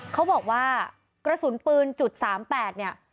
เขาบอกว่ากระสุนปืน๓๘เนี่ย